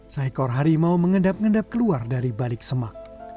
seekor harimau mengendap endap keluar dari balik semak